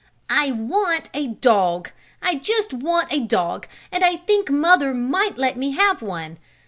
"I want a dog! I just want a dog, and I think mother might let me have one!